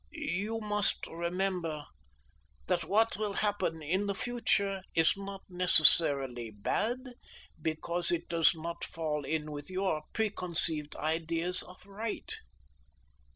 "You must remember that what will happen in the future is not necessarily bad because it does not fall in with your preconceived ideas of right.